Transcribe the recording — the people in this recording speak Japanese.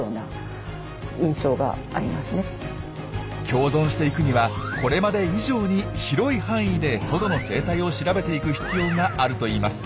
共存していくにはこれまで以上に広い範囲でトドの生態を調べていく必要があるといいます。